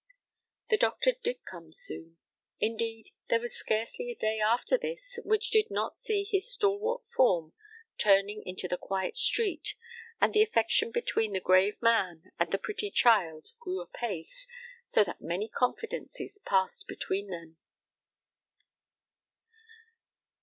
The doctor did come soon. Indeed, there was scarcely a day after this which did not see his stalwart form turning into the quiet street, and the affection between the grave man and the pretty child grew apace, so that many confidences passed between them.